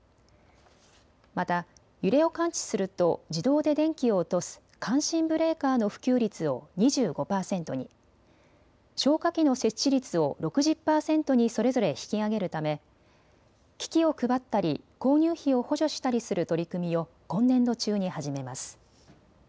また揺れを感知すると自動で電気を落とす感震ブレーカーの普及率を２５％に消火器の設置率を６０％にそれぞれ引き上げるため機器を配ったり購入費を補助したりする取り組みを今年度中に始めます。